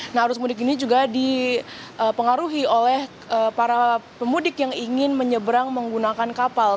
nah arus mudik ini juga dipengaruhi oleh para pemudik yang ingin menyeberang menggunakan kapal